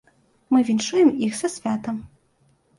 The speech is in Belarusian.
Мы віншуем іх са святам.